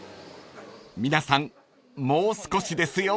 ［皆さんもう少しですよ］